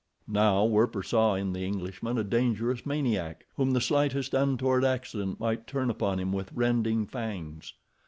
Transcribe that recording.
Now Werper saw in the Englishman a dangerous maniac, whom the slightest untoward accident might turn upon him with rending fangs.